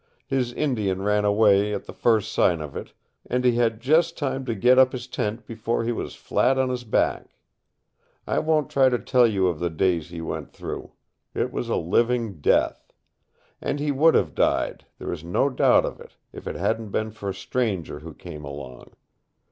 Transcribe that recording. His Indian ran away at the first sign of it, and he had just time to get up his tent before he was flat on his back. I won't try to tell you of the days he went through. It was a living death. And he would have died, there is no doubt of it, if it hadn't been for a stranger who came along.